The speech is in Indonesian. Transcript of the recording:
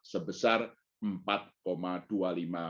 sebesar rp empat dua puluh lima persen